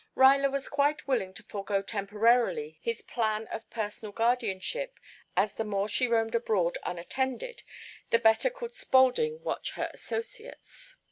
Ruyler was quite willing to forego temporarily his plan of personal guardianship, as the more she roamed abroad unattended the better could Spaulding watch her associates.